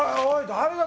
誰だ